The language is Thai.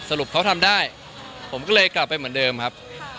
รุปเขาทำได้ผมก็เลยกลับไปเหมือนเดิมครับ